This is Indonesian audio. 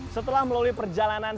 setelah melalui perjalanan